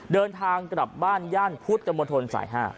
เดินทางกลับบ้านย่านพุธกรรมทนศ์สาย๕